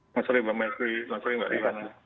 selamat sore mbak melki